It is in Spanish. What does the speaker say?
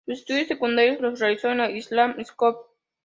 Sus estudios secundarios los realizó en la "Island School".